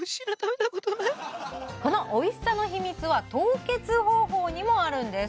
このおいしさの秘密は凍結方法にもあるんです